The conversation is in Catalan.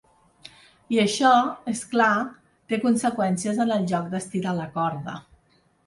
I això, és clar, té conseqüències en el joc d’estirar la corda.